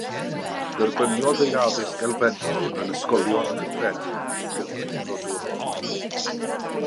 Derbyniodd ei addysg elfennol yn ysgolion cyffredin ei Gymru frodorol.